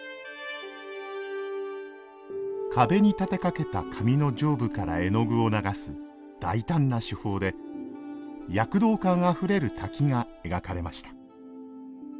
壁に立てかけた紙の上部から絵の具を流す大胆な手法で躍動感あふれる滝が描かれました。